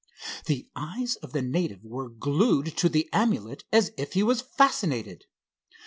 The eyes of the native were glued to the amulet as if he was fascinated.